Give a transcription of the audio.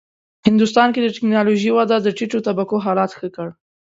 هندوستان کې د ټېکنالوژۍ وده د ټیټو طبقو حالت ښه کړ.